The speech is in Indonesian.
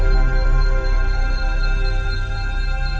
ya udah deh